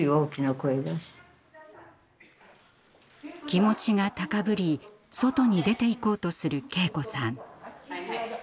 気持ちが高ぶり外に出ていこうとする敬子さん。